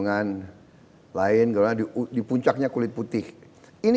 bahkan karena ini suspen dan berbentukplvn